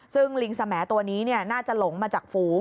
ซึ่งลิงสมตัวนี้น่าจะหลงมาจากฝูง